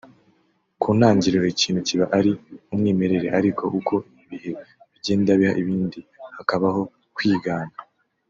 Ku ntangiriro ikintu kiba ari umwimerere ariko uko ibihe bigenda biha ibindi hakabaho kwigana